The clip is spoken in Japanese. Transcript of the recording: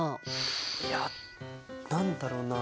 いや何だろな。